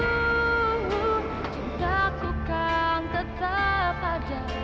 cintaku kan tetap ada